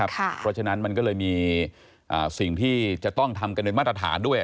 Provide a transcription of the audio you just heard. เพราะฉะนั้นมันก็เลยมีสิ่งที่จะต้องทำกันในมาตรฐานด้วย